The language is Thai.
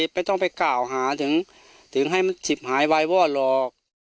ไม่ต้องไปกล่าวหาถึงให้มันฉิบหายไววอดหรอก